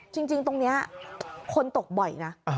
จริงตรงนี้คนตกบ่อยนะ